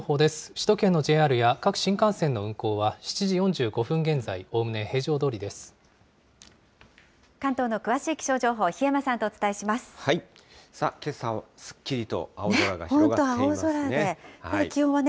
首都圏のＪＲや各新幹線の運行は７時４５分現在、関東の詳しい気象情報、檜山さあ、けさはすっきりと青空が広がっていますね。